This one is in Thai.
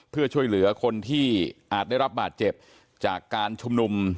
เพื่อช่วยเหลือคนที่อาจได้รับบาดเจ็บจากการชุมนุม